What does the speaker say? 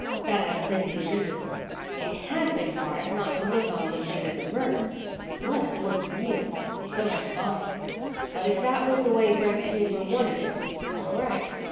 That hadn't been too difficult. It had been hard not to look on the thing as a murder. The blood had looked real and so had the body. But if that was the way Brent Taber wanted it, all right.